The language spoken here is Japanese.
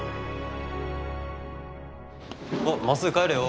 おっまっすぐ帰れよ。